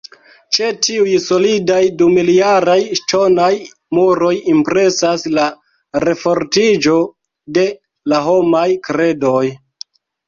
Ĉe tiuj solidaj dumiljaraj ŝtonaj muroj impresas la refortiĝo de la homaj kredoj.